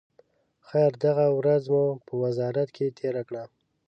خیر، دغه ورځ مو په وزارت کې تېره کړه.